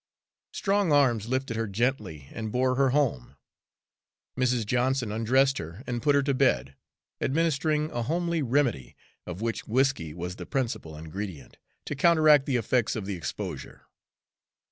Strong arms lifted her gently and bore her home. Mrs. Johnson undressed her and put her to bed, administering a homely remedy, of which whiskey was the principal ingredient, to counteract the effects of the exposure.